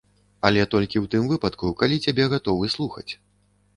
Але толькі ў тым выпадку, калі цябе гатовы слухаць.